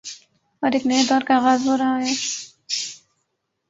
اورایک نئے دور کا آغاز ہو رہاہے۔